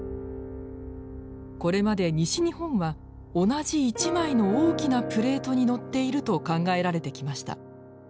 これまで西日本は同じ一枚の大きなプレートにのっていると考えられてきました。